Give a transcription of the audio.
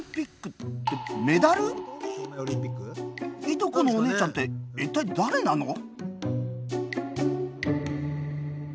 いとこのおねえちゃんって一体、誰なの？